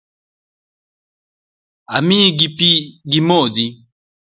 Amiyo gi pi gimodhi.